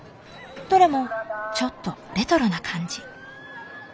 どれもちょっとレトロな感じ。